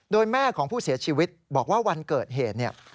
โดยแม่ของผู้เสียชีวิตบอกว่าวันเกิดเหตุเนี่ย